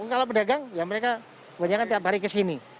kalau pedagang ya mereka banyaknya tiap hari ke sini